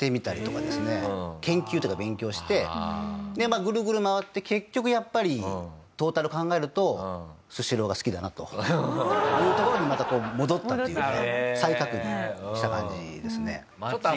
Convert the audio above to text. まあぐるぐる回って結局やっぱりトータル考えるとスシローが好きだなというところにまた戻ったっていうか再確認した感じですね。